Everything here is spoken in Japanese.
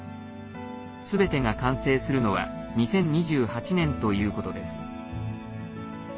すべてが完成するのは２０２８年ということです。